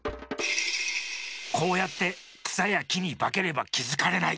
こうやってくさやきにばければきづかれない。